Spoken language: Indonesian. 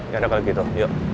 ya ada kalau gitu yuk